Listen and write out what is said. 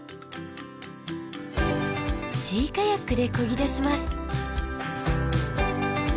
シーカヤックでこぎ出します。